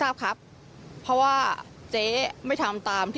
โทรศัพท์โทรศัพท์โทรศัพท์